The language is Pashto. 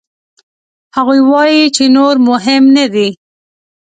هغوی وايي چې نور مهم نه دي.